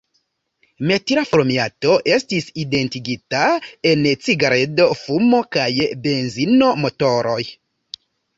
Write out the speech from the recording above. Metila formiato estis identigita en cigaredo-fumo kaj benzino-motoroj.